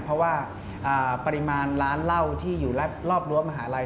เพราะว่าปริมาณร้านเหล้าที่อยู่รอบรั้วมหาลัย